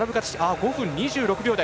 ５分２６秒台。